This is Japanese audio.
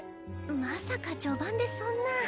まさか序盤でそんな。